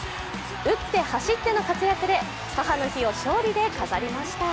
打って走っての活躍で母の日を勝利で飾りました。